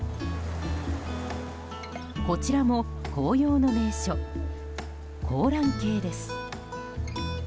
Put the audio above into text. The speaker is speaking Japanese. こちらも紅葉の名所香嵐渓です。